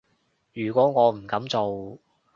如果我唔噉做